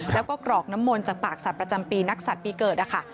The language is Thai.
แล้วก็กรอกน้ำมนต์จากปากสัตว์ประจำปีนักสัตว์ปีเกิดนะคะ